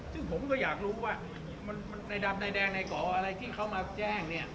ซึ่งผมก็อยากรู้ว่ามันในดำนายแดงในเกาะอะไรที่เขามาแจ้งเนี่ย